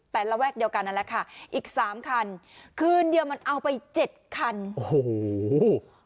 แต่ระแวกเดียวกันนั่นแหละค่ะอีกสามคันคืนเดียวมันเอาไปเจ็ดคันโอ้โห